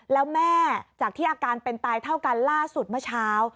แล้วแม่จากที่อาการเป็นตายเท่ากันล่าสุดเมื่อเช้า